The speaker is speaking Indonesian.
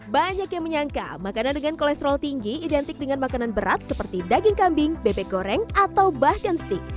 banyak yang menyangka makanan dengan kolesterol tinggi identik dengan makanan berat seperti daging kambing bebek goreng atau bahkan stik